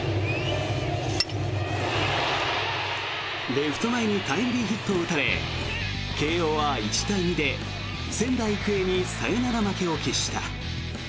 レフト前にタイムリーヒットを打たれ慶応は１対２で仙台育英にサヨナラ負けを喫した。